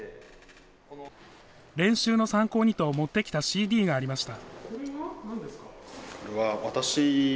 練習の参考にと持ってきたＣＤがありました。